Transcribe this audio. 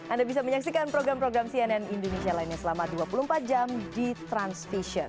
anda bisa menyaksikan program program cnn indonesia lainnya selama dua puluh empat jam di transvision